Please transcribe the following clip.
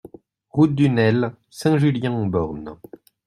Route du Nel, Saint-Julien-en-Born